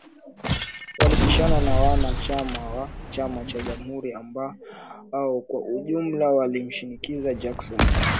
Walipishana na wana chama wa chama cja jamhuri ambao kwa ujumla walimshinikiza Jackson